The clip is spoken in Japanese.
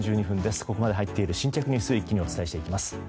ここまで入っている新着ニュース一気にお伝えしていきます。